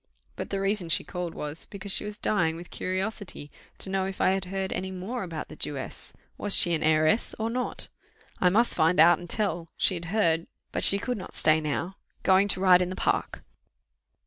But the reason she called was, because she was dying with curiosity to know if I had heard any more about the Jewess. Was she an heiress or not? I must find out and tell: she had heard but she could not stay now going to ride in the park.